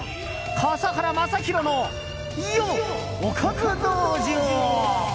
笠原将弘のおかず道場。